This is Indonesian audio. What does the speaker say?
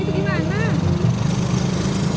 bukan begitu gimana